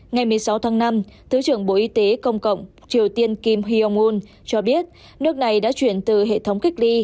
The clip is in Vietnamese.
ngày một mươi sáu tháng năm thứ trưởng bộ y tế công cộng triều tiên kim hyong moon cho biết nước này đã chuyển từ hệ thống cách ly